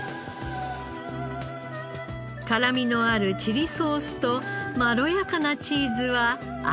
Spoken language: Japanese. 辛みのあるチリソースとまろやかなチーズは相性抜群。